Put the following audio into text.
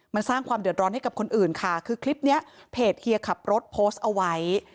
มันสร้างความเดือดร้อนให้กับคนอื่นค่ะคือคลิปนี้เพจเฮียขับรถโพสต์เอาไว้